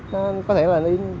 nó có thể là